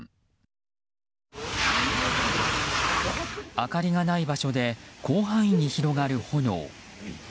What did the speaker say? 明かりがない場所で広範囲に広がる炎。